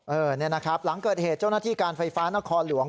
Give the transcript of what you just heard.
เนี่ยนะครับหลังเกิดเหตุเจ้าหน้าที่การไฟฟ้านครหลวง